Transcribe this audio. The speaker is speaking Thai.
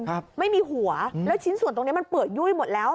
ครับไม่มีหัวแล้วชิ้นส่วนตรงเนี้ยมันเปื่อยยุ่ยหมดแล้ว